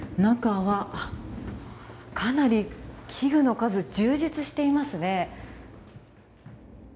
中は、かなり器具の数、充実していますね。